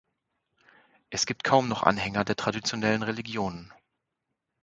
Es gibt kaum noch Anhänger der traditionellen Religionen.